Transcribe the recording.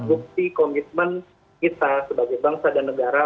bukti komitmen kita sebagai bangsa dan negara